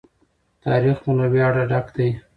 تاریخ مو له ویاړه ډک دی.